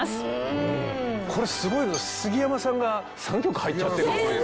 これすごいのは杉山さんが３曲入っちゃってるっていう。